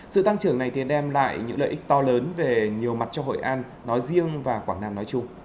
sự tăng trưởng này thì đem lại những lợi ích to lớn về nhiều mặt cho hội an nói riêng và quảng nam nói chung